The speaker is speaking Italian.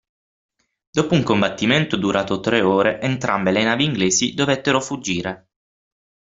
Dopo un combattimento durato tre ore entrambe le navi inglesi dovettero fuggire.